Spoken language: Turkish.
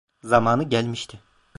Zamanı gelmişti.